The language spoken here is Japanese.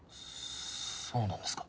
そうなんですか。